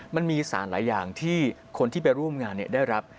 มันมีสารหลายอย่างที่คนที่ไปร่วมงานได้รับ